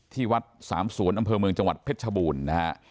ที่วัดสามสวนอำเภอเมืองจังหวัดเพชรชบูรณ์นะฮะ